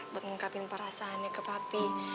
buat mengungkapin perasaannya ke papi